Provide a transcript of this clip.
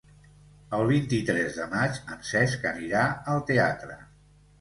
El vint-i-tres de maig en Cesc anirà al teatre.